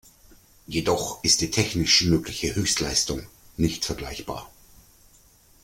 Jedoch ist die technisch mögliche Höchstleistung nicht vergleichbar.